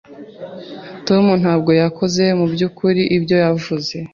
Tom ntabwo yakoze mubyukuri ibyo yavuze.